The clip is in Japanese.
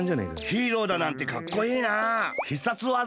ヒーローだなんてかっこいいなあ。